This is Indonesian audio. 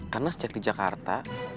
karena sejak di jakarta